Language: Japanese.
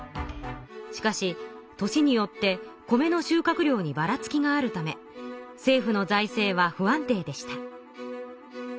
しかし年によって米の収穫量にバラつきがあるため政府の財政は不安定でした。